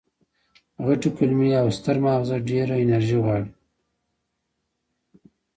غټې کولمې او ستر ماغز ډېره انرژي غواړي.